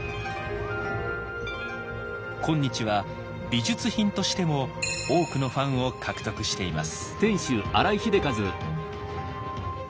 今日は「美術品」としても多くのファンを獲得しています。